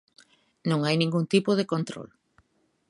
Non hai ningún tipo de control.